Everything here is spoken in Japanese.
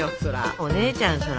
お姉ちゃんそら